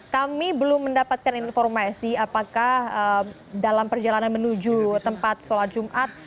kami belum mendapatkan informasi apakah dalam perjalanan menuju tempat sholat jumat